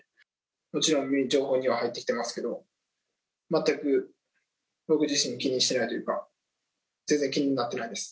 もちろん、情報は入ってきてますけど、全く僕自身気にしてないというか、全然気になってないです。